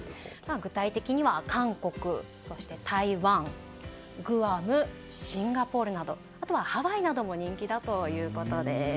具体的には韓国、台湾グアム、シンガポールなどやあとはハワイなども人気だということです。